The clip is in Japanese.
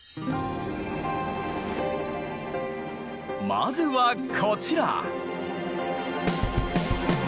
まずはこちら！